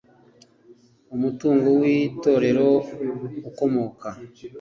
Umutungo w itorero ukomoka